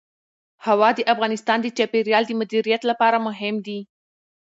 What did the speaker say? هوا د افغانستان د چاپیریال د مدیریت لپاره مهم دي.